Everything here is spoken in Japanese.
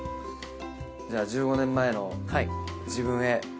じゃあ１５年前の自分へ。